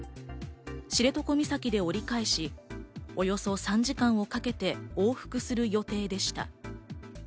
知床岬で折り返し、およそ３時間をかけて往復する予定でした。